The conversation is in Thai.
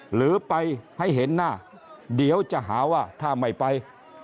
หรือไปให้เห็นหน้าเดี๋ยวจะหาว่าถ้าไม่ไป